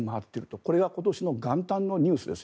これが今年の元旦のニュースですよ